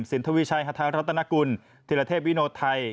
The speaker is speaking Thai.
สินธวิชัยธรรษนกุลธิระเทพวิโนไทย